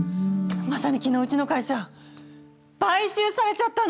まさに昨日うちの会社買収されちゃったの！